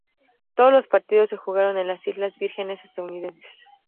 Todos los partidos se jugaron en las Islas Vírgenes Estadounidenses.